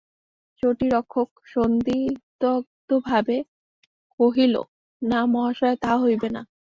চটি-রক্ষক সন্দিগ্ধভাবে কহিল, না মহাশয় তাহা হইবে না।